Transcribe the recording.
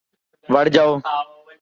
یہ Gymkhana club تھا۔